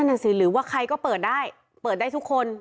นั่นน่ะสิหรือว่าใครก็เปิดได้เปิดได้ทุกคน